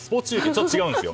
ちょっと違うんですよ。